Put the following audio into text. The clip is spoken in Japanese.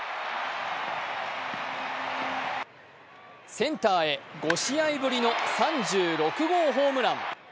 センターへ５試合ぶりの３６号ホームラン。